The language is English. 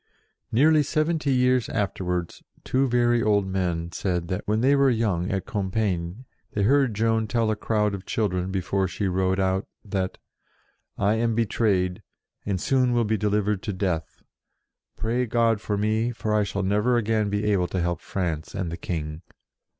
Nearly seventy years afterwards, two very old men said that, when they were young at Compiegne, they heard Joan tell a crowd of children, before she rode out, that "I am betrayed, and soon will be delivered to death. Pray God for me, for I shall never again be able to help France and the King."